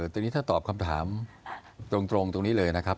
ทีนี้ถ้าตอบคำถามตรงตรงนี้เลยนะครับ